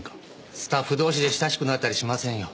スタッフ同士で親しくなったりしませんよ。